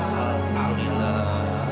hai bagaimana saat vlad